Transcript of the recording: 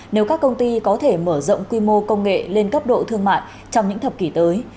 nếu các công ty có thể mở rộng quy mô công nghệ lên cấp độ thương mại trong những thập kỷ tới